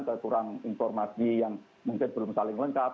kekurang informasi yang mungkin belum saling lengkap